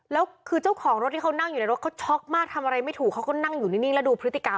แล้วคือเจ้าของรถที่เขานั่งอยู่ในรถเขาช็อกมากทำอะไรไม่ถูกเขาก็นั่งอยู่นิ่งแล้วดูพฤติกรรม